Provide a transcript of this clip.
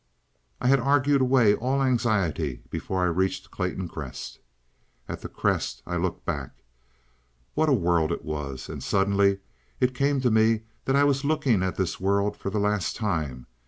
I had argued away all anxiety before I reached Clayton Crest. At the Crest I looked back. What a world it was! And suddenly it came to me that I was looking at this world for the last time.